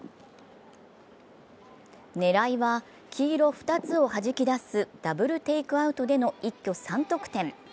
狙いは黄色２つを弾き出すダブルテイクアウトでの一挙３得点。